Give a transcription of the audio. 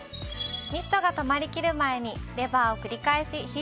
ミストが止まりきる前にレバーを繰り返し引いてみてください。